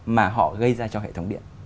mà họ gây ra cho hệ thống điện